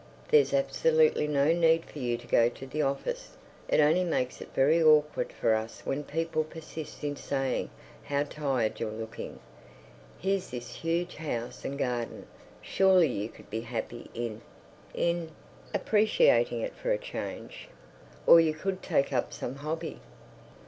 There's absolutely no need for you to go to the office. It only makes it very awkward for us when people persist in saying how tired you're looking. Here's this huge house and garden. Surely you could be happy in—in—appreciating it for a change. Or you could take up some hobby."